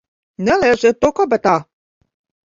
Nelieciet to kabatā!